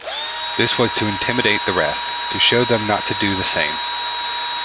This was to intimidate the rest, to show them not to do the same.